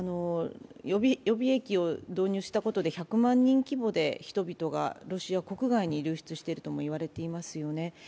予備役を導入したことで１００万人規模で人々がロシア国外が流出しているとも言われていますよね。